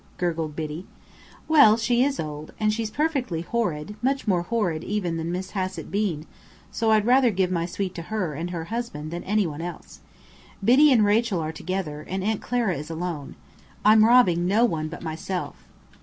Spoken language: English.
gurgled Biddy. "Well, she is old. And she's perfectly horrid, much more horrid even than Miss Hassett Bean; so I'd rather give my suite to her and her husband than any one else. Biddy and Rachel are together, and Aunt Clara is alone. I'm robbing no one but myself."